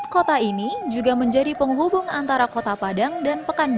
kota ini juga menjadi penghubung antara kota padang dan pekanbaru